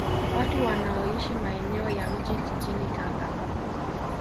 Watu wanaoishi maeneo ya Mjini jijini Tanga